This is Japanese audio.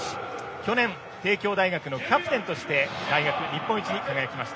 去年帝京大学のキャプテンとして大学日本一に輝きました。